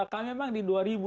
kamu memang di